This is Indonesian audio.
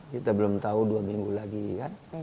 kita belum tahu dua minggu lagi kan